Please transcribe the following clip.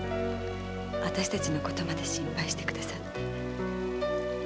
私達のことまで心配してくださって。